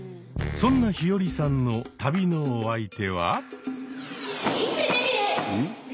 そんな陽葵さんの旅のお相手は。